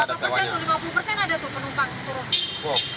berapa persen tuh lima puluh persen ada tuh penumpang turun